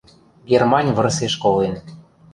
– Германь вырсеш колен.